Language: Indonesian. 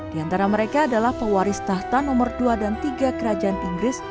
di antara mereka adalah pewaris tahta nomor dua dan tiga kerajaan inggris